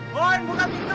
mon buka pintu